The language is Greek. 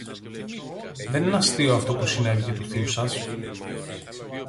Δεν είναι αστείο αυτό που συνέβηκε του θείου σας.